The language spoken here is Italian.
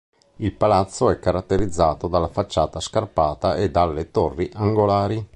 Il palazzo e caratterizzato dalla facciata a scarpata e dalle torri angolari.